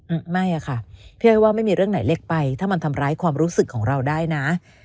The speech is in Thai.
อืมไม่อะค่ะพี่อ้อยว่าไม่มีเรื่องไหนเล็กไปถ้ามันทำร้ายความรู้สึกของเราได้นะ